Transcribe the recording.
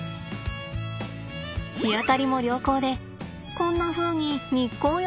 日当たりも良好でこんなふうに日光浴もできます。